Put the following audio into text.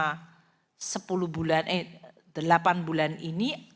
konsumsi selama delapan bulan ini